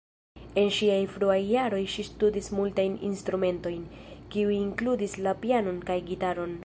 En ŝiaj fruaj jaroj ŝi studis multajn instrumentojn, kiuj inkludis la pianon kaj gitaron.